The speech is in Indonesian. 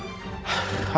aku barusan telepon al